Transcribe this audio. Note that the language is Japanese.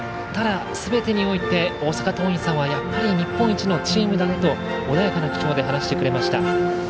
ただ、すべてにおいて大阪桐蔭さんはやっぱり日本一のチームだねと穏やかな口調で話してくれました。